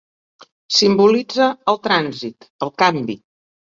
Simbolitza el trànsit, el canvi.